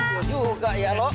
gila juga ya loh